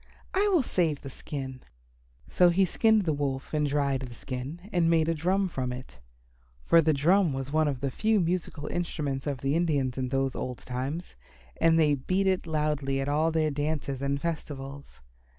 I will save the skin." So he skinned the Wolf and dried the skin and made a drum from it. For the drum was one of the few musical instruments of the Indians in those old times, and they beat it loudly at all their dances and festivals.